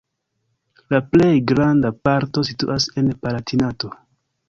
La plej granda parto situas en Palatinato.